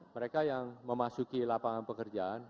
mereka yang memasuki lapangan pekerjaan